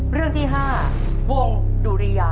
เรื่องที่๕วงดุริยา